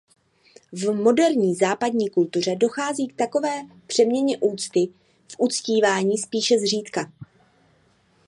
V moderní západní kultuře dochází k takové přeměně úcty v uctívání spíše zřídka.